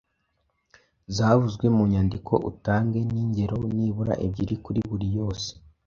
zavuzwe mu mwandiko utange n’ingero nibura ebyiri kuri buri yose.